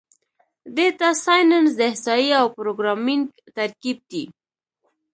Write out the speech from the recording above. ډیټا سایننس د احصایې او پروګرامینګ ترکیب دی.